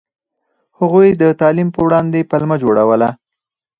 هغوی د تعلیم په وړاندې پلمه جوړوله.